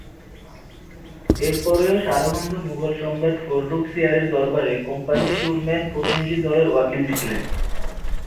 এর পরেও সারহন্দ মুগল সম্রাট ফররুখ সিয়ারের দরবারে কোম্পানির সুরম্যান প্রতিনিধি দলের ‘ওয়াকিল’ ছিলেন।